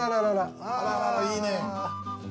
あらららいいね。